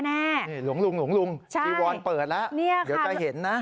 หลงอีวอนเปิดแล้วเดี๋ยวจะเห็นนะ